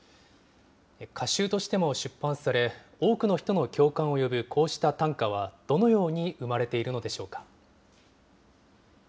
歌集としても出版され、多くの人の共感を呼ぶこうした短歌は、どのように生まれているのでしょうか。